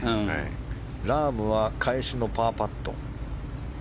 ラームは返しのパーパット。